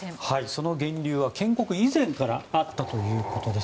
その源流は建国以前からあったということです。